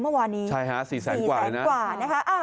เมื่อวานนี้ใช่ฮะสี่แสนกว่าเลยนะสี่แสนกว่านะคะอ่า